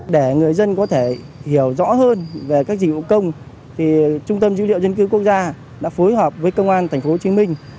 để người dân có thể hiểu rõ hơn về các dịch vụ công trung tâm dữ liệu dân cư quốc gia đã phối hợp với công an thành phố hồ chí minh